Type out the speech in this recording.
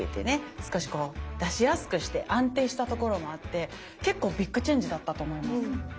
少しこう出しやすくして安定したところもあって結構ビッグチェンジだったと思います。